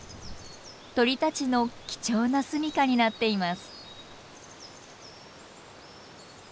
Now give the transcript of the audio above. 鳥たちの貴重なすみかになっています。